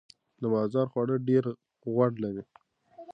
د بازار خواړه ډیر غوړ لري.